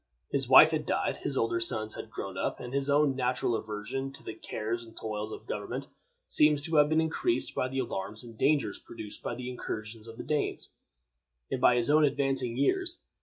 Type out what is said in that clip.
His wife had died, his older sons had grown up, and his own natural aversion to the cares and toils of government seems to have been increased by the alarms and dangers produced by the incursions of the Danes, and by his own advancing years.